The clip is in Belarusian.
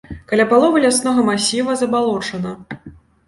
Каля паловы ляснога масіву забалочана.